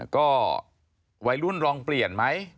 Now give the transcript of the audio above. ก็วัยรุ่นลองเปลี่ยนไหม